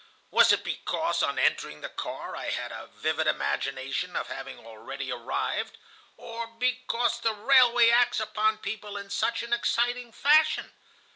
Was it because on entering the car I had a vivid imagination of having already arrived, or because the railway acts upon people in such an exciting fashion?